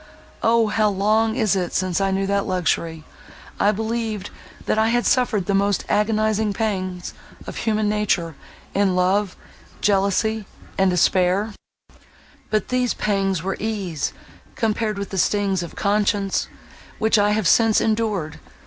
O! how long is it since I knew that luxury! I believed, that I had suffered the most agonizing pangs of human nature, in love, jealousy, and despair—but these pangs were ease, compared with the stings of conscience, which I have since endured.